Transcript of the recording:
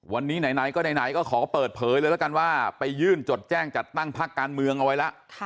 วันนี้ไหนก็ไหนก็ขอเปิดเผยเลยแล้วกันว่าไปยื่นจดแจ้งจัดตั้งพักการเมืองเอาไว้แล้ว